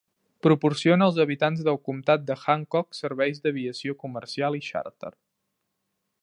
Proporciona als habitants del comtat de Hancock serveis d'aviació comercial i xàrter.